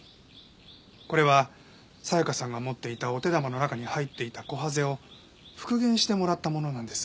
これは紗香さんが持っていたお手玉の中に入っていたコハゼを復元してもらったものなんです。